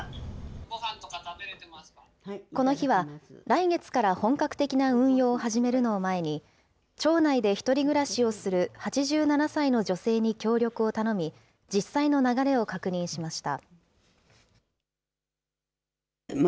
この日は、来月から本格的な運用を始めるのを前に、町内で１人暮らしをする８７歳の女性に協力を頼み、実際の流れを確認しました。